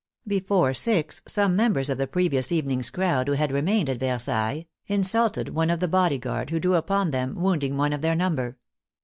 Before six, some members of the previous evening's crowd who had remained at Ver sailles, insulted one of the bod3^ guard, vvho drew upon them, wounding one of their num.ber.